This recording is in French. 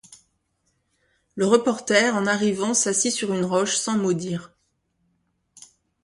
Le reporter, en arrivant, s’assit sur une roche, sans mot dire